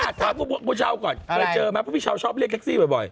อ่ะถามพี่เช้าก่อนเคยเจอมั้ยเพราะพี่เช้าชอบเรียกแท็กซี่บ่อย